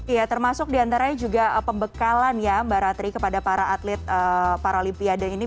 ya termasuk diantaranya juga pembekalan ya mbak ratri kepada para atlet paralimpiade ini